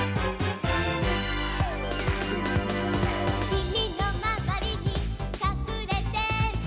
「君のまわりにかくれてる」